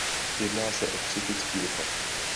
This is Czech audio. Jedná se o psychický dopad.